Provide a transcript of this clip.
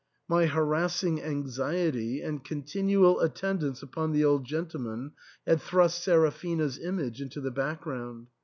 My harassing anxiety and continual attendance upon the old gentleman had thrust Seraphina's image into the background.